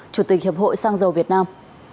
chủ tịch hiệp hội xăng dầu việt nam